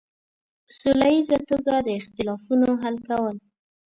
په سوله ییزه توګه د اختلافونو حل کول.